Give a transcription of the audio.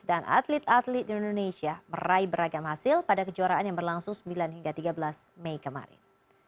dan atlet atlet di indonesia meraih beragam hasil pada kejuaraan yang berlangsung sembilan hingga tiga belas mei kemarin